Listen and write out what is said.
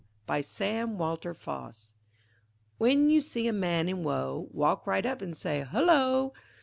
BY SAM WALTER FOSS W'en you see a man in woe, Walk right up and say "hullo!"